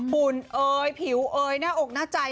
ฝุ่นเอ่ยผิวเอยหน้าอกหน้าใจ